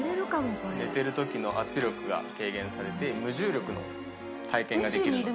寝てる時の圧力が軽減されて無重力の体験ができるので。